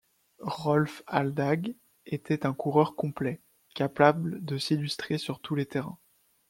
Rolf Aldag était un coureur complet, capable de s'illustrer sur tous les terrains.